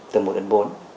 từ mùa đến bốn